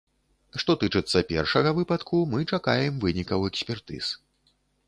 Што тычыцца першага выпадку, мы чакаем вынікаў экспертыз.